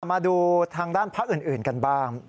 มาดูทางด้านพักอื่นกันบ้าง